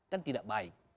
kan tidak baik